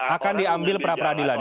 akan diambil pra peradilan